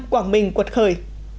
quảng bình quật khởi